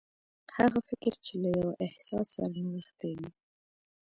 هغه فکر چې له يوه احساس سره نغښتي وي.